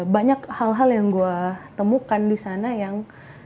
banyak hal hal yang gue temukan di sana yang